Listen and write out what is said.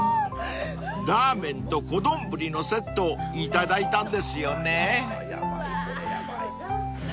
［ラーメンと小丼のセットをいただいたんですよね］